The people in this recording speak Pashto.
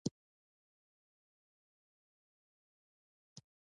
وحشي حیوانات د افغان تاریخ په کتابونو کې ذکر شوی دي.